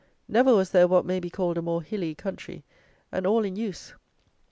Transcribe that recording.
Never was there what may be called a more hilly country, and all in use.